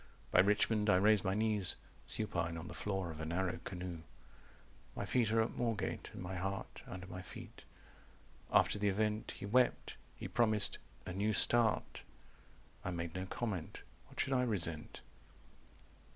By Richmond I raised my knees Supine on the floor of a narrow canoe." "My feet are at Moorgate, and my heart Under my feet. After the event He wept. He promised 'a new start'. I made no comment. What should I resent?"